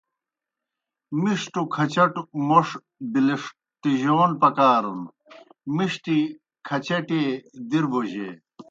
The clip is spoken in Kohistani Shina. مِݜٹوْ کھچٹوْ موْݜ بِلِݜٹِجَون پکارُن مِݜٹیْ کھچٹیئے دِر بوجیئے۔